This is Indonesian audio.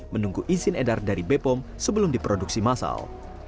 menunggu izin edar dari bepom sebelum diproduksi masal